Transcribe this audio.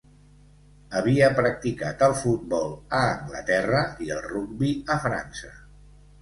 Havia practicat el futbol a Anglaterra i el rugbi a França.